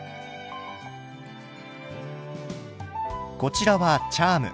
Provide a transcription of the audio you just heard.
こちらはチャーム。